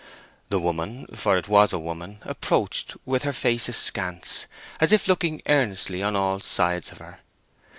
The woman—for it was a woman—approached with her face askance, as if looking earnestly on all sides of her.